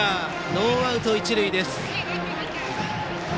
ノーアウト、一塁です。